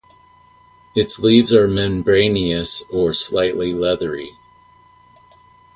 Its leaves are membranous or slightly leathery.